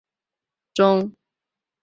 在过去的社会中。